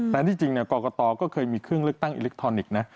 แต่ที่จริงกรกตก็เคยมีเครื่องเลือกตั้งอิเล็กทรอนิกส์นะ